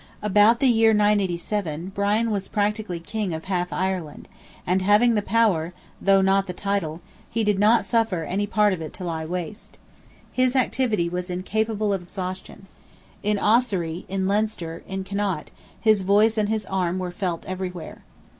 About the year 987, Brian was practically king of half Ireland, and having the power, (though not the title,) he did not suffer any part of it to lie waste. His activity was incapable of exhaustion; in Ossory, in Leinster, in Connaught, his voice and his arm were felt everywhere.